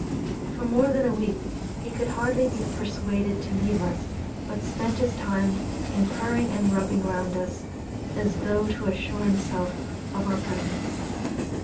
For more than a week he could hardly be persuaded to leave us, but spent his time in purring and rubbing round us, as though to assure himself of our presence."